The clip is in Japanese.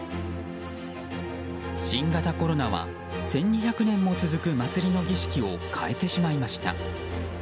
新型コロナは１２００年も続く祭りの儀式を変えてしまいました。